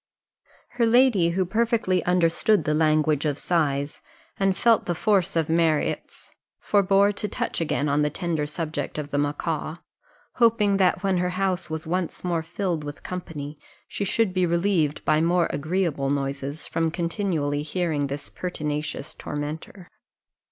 Her lady, who perfectly understood the language of sighs, and felt the force of Marriott's, forbore to touch again on the tender subject of the macaw, hoping that when her house was once more filled with company, she should be relieved by more agreeable noises from continually hearing this pertinacious tormentor.